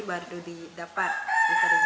baru didapat dikirimnya